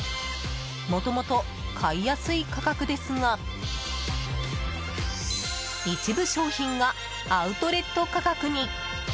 もともと買いやすい価格ですが一部商品がアウトレット価格に。